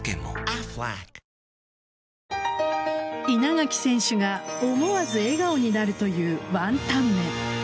稲垣選手が思わず笑顔になるというワンタン麺。